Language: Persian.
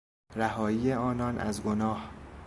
رهایی آنان از گناه